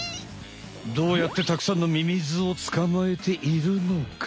どうやって沢山のミミズを捕まえているのか？